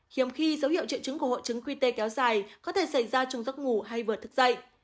hiếm khi dấu hiệu triệu chứng của hộ trứng quy tê kéo dài có thể xảy ra trong giấc ngủ hay vừa thức dậy